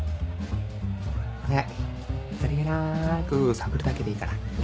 お願いさりげなく探るだけでいいからねっ。